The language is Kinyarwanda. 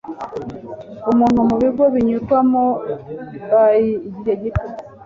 uuuntu mu bigo binyurwamo by igihe gito